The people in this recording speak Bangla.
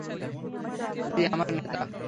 জ্বি, আমার নেতা!